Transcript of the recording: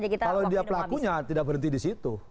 kalau dia pelakunya tidak berhenti di situ